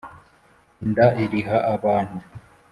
inda iriha abantu.